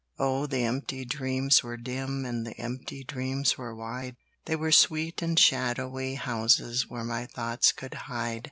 Oh, the empty dreams were dim And the empty dreams were wide, They were sweet and shadowy houses Where my thoughts could hide.